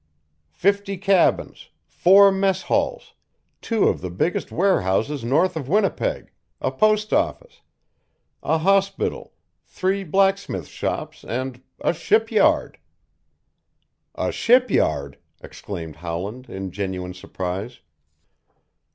Fifty cabins, four mess halls, two of the biggest warehouses north of Winnipeg, a post office, a hospital, three blacksmith shops and a ship yard!" "A ship yard!" exclaimed Howland in genuine surprise.